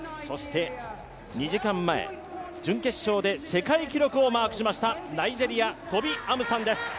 ２時間前、準決勝で世界記録をマークしましたナイジェリア、トビ・アムサンです。